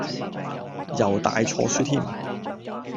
又帶錯書添